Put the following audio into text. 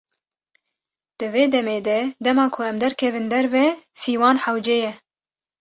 Di vê demê de dema ku em derkevin derve, sîwan hewce ye.